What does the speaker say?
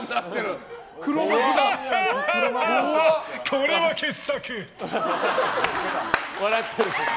これは傑作。